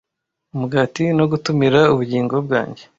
I umugati na gutumira ubugingo bwanjye,